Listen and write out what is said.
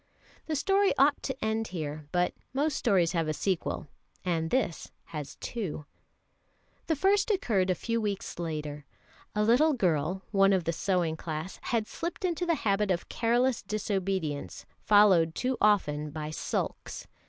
The story ought to end here; but most stories have a sequel, and this has two. The first occurred a few weeks later. A little girl, one of the sewing class, had slipped into the habit of careless disobedience, followed too often by sulks.